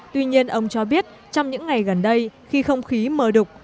tuy nhiên ông cho biết trong những ngày gần đây khi không khí mờ đục